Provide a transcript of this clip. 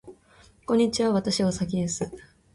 こんにちは。私はうさぎです。